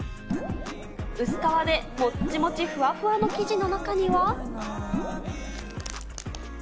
薄皮でもっちもっちふわふわの生地の中には。